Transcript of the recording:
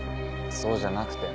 そうじゃなくて。